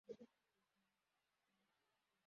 Umukobwa ukiri muto asukura hasi akoresheje igitambaro